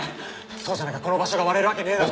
そうじゃなきゃこの場所が割れるわけねえだろ。